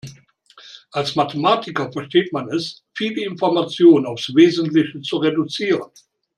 Als Mathematiker versteht man es, viel Information aufs Wesentliche zu reduzieren.